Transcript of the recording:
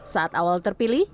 saat awal terpilih